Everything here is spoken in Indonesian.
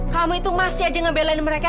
kamu itu masih aja ngebelain mereka